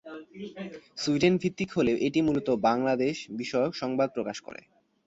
সুইডেন-ভিত্তিক হলেও এটি মূলত বাংলাদেশ-বিষয়ক সংবাদ প্রকাশ করে।